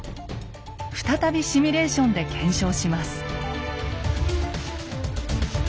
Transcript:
再びシミュレーションで検証します。